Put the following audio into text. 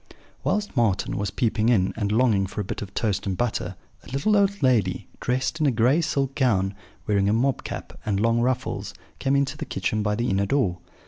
"Whilst Marten was peeping in, and longing for a bit of toast and butter, a little old lady, dressed in a gray silk gown, wearing a mob cap and long ruffles, came into the kitchen by the inner door.